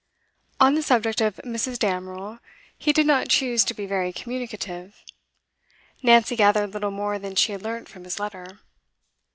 On the subject of Mrs. Damerel he did not choose to be very communicative; Nancy gathered little more than she had learnt from his letter.